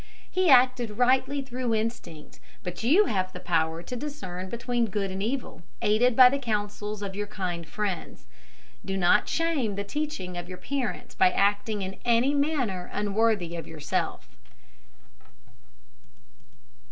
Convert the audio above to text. He acted rightly through instinct; but you have the power to discern between good and evil, aided by the counsels of your kind friends. Do not shame the teaching of your parents by acting in any manner unworthy of yourself.